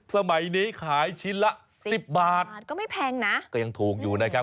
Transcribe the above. สมัยนี้ขายชิ้นละสิบบาทก็ไม่แพงนะก็ยังถูกอยู่นะครับ